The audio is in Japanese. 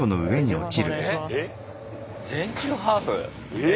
えっ！